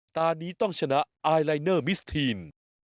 ตอนนี้ต้องชนะไอลายเนอร์มิสทีน